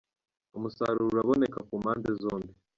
Umusaruro uraboneka kumpande zombi.